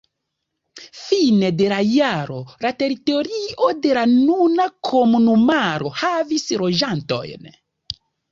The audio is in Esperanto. Fine de la jaro la teritorio de la nuna komunumaro havis loĝantojn.